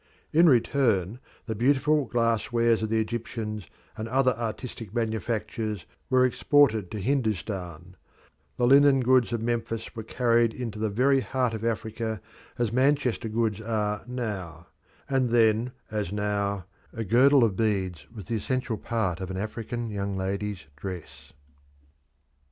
In return, the beautiful glass wares of the Egyptians and other artistic manufactures were exported to Hindustan; the linen goods of Memphis were carried into the very heart of Africa as Manchester goods are now; and then, as now, a girdle of beads was the essential part of an African young lady's dress.